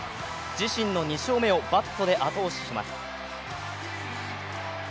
自身の２勝目をバットで後押しします。